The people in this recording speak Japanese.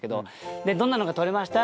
「どんなのが撮れました？」